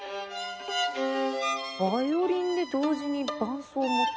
ヴァイオリンで同時に伴奏もとかって。